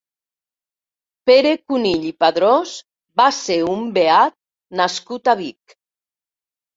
Pere Cunill i Padrós va ser un beat nascut a Vic.